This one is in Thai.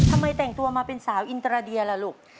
ทำไมแต่งตัวมาเป็นสาวอินตราเดียล่ะลูก